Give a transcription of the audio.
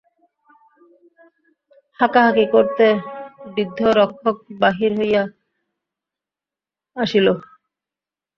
হাঁকাহাঁকি করিতে বৃদ্ধ রক্ষক বাহির হইয়া আসিল।